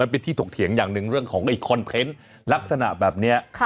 เป็นที่ถกเถียงอย่างหนึ่งเรื่องของไอ้คอนเทนต์ลักษณะแบบนี้